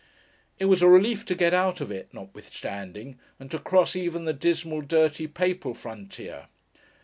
It was a relief to get out of it, notwithstanding; and to cross even the dismal, dirty Papal Frontier.